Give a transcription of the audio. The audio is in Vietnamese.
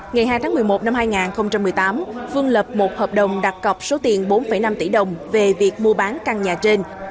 ngày hai tháng một mươi một năm hai nghìn một mươi tám phương lập một hợp đồng đặt cọc số tiền bốn năm tỷ đồng về việc mua bán căn nhà trên